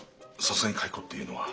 さすがに解雇っていうのは。